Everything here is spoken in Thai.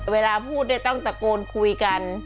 เวลาพูดได้ต้องตะโกนคุยกัน